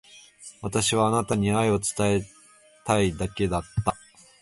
私はあなたに愛を伝えたいだけだった。